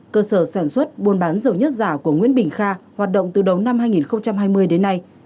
cơ sở sản xuất buôn bán dầu nhất giả của nguyễn bình kha hoạt động từ đầu năm hai nghìn hai mươi đến nay